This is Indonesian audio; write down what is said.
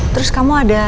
terus kamu ada